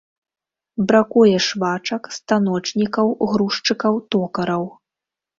Бракуе швачак, станочнікаў, грузчыкаў, токараў.